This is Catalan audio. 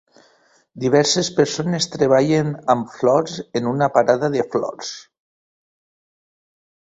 Diverses persones treballen amb flors en una parada de flors.